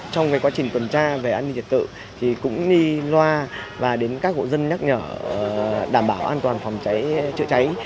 trong quá trình quần tra về an ninh thiệt tự thì cũng đi loa và đến các hộ dân nhắc nhở đảm bảo an toàn phòng chữa cháy